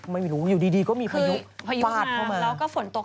ไม่รู้อยู่ดีก็มีพายุฝาดเข้ามา